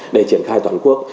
để triển khai toàn quốc